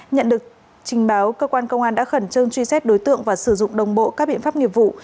nhận được trình báo cơ quan công an đã khẩn trương truy xét đối tượng và sử dụng đồng bộ các biện pháp nghiệp vụ